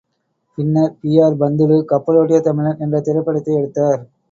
பின்னர் பி.ஆர்.பந்துலு கப்பலோட்டிய தமிழன் என்ற திரைப்படத்தை எடுத்தார்.